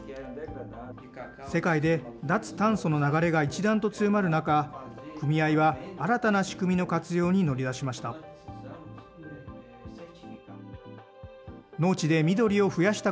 世界で脱炭素の流れが一段と強まる中、組合は新たな仕組みの活用に乗り出しました。